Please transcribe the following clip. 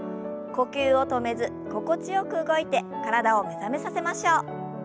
呼吸を止めず心地よく動いて体を目覚めさせましょう。